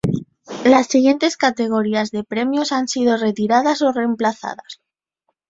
Las siguiente categorías de premios han sido retiradas o remplazadas.